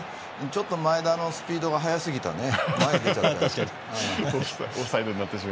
ちょっと前田のスピードが速すぎたね。